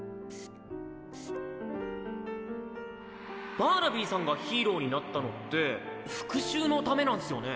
バーナビーさんがヒーローになったのって復讐のためなんすよね？